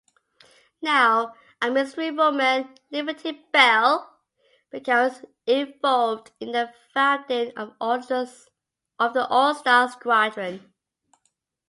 Now a mystery-woman, Liberty Belle becomes involved in the founding of the All-Star Squadron.